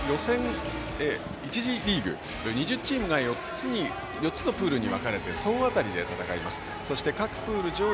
大会は、予選の１次リーグ２０チームが４つのプールに分かれて総当たりで戦います。